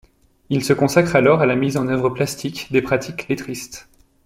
Il se consacre alors à la mise en œuvre plastique des pratiques lettristes.